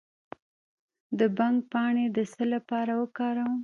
د بنګ پاڼې د څه لپاره وکاروم؟